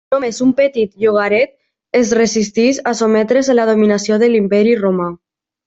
Només un petit llogaret es resisteix a sotmetre's a la dominació de l'Imperi Romà.